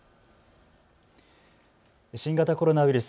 新型コロナウイルス。